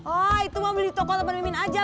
oh itu mau beli di toko depan min min aja